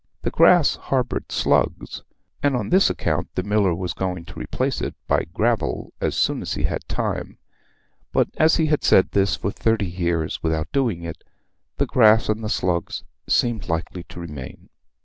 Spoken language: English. The grass harboured slugs, and on this account the miller was going to replace it by gravel as soon as he had time; but as he had said this for thirty years without doing it, the grass and the slugs seemed likely to remain.